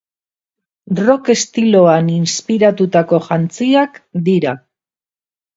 Rock estiloan inspiratutako jantziak dira.